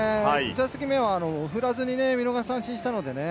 １打席目は振らずに見逃し三振したのでね。